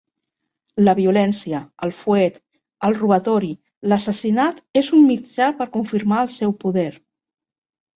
La violència, el fuet, el robatori, l'assassinat és un mitjà per confirmar el seu poder.